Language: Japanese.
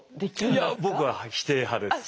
いや僕は否定派です。